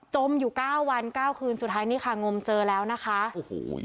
มอยู่เก้าวันเก้าคืนสุดท้ายนี่ค่ะงมเจอแล้วนะคะโอ้โห